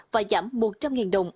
và giảm một trăm linh đồng